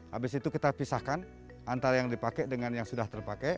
habis itu kita pisahkan antara yang dipakai dengan yang sudah terpakai